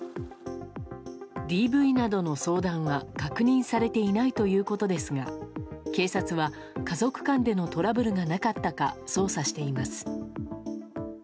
ＤＶなどの相談は確認されていないということですが警察は家族間でのトラブルがなかったか捜査しています。